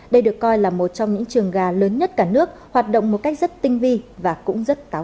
đây được coi là một trong những trường gà lớn nhất cả nước hoạt động một cách rất tinh vi và cũng rất tánh